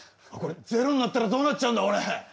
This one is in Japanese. これ０になったらどうなっちゃうんだ